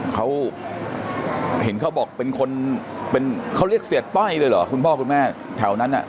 เขาเห็นเขาบอกเป็นคนเป็นเขาเรียกเสียต้อยเลยเหรอคุณพ่อคุณแม่แถวนั้นอ่ะ